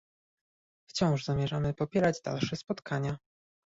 Wciąż zamierzamy popierać dalsze spotkania